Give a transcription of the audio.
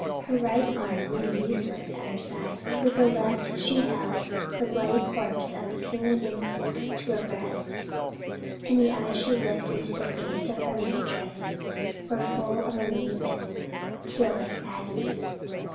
Her right arm hung useless at her side; with the left she held the bloody corpse of a puny infant to her breast, and the eyes she lifted to the face of her mistress were full of a mute, tearless agony.